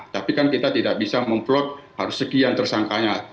tapi kan kita tidak bisa memvlog harus sekian tersangkanya